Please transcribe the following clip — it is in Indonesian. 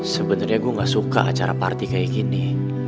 sebenarnya gue gak suka acara party kayak gini